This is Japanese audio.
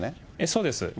そうです。